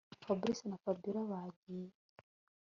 Fabric na Fabiora bagiye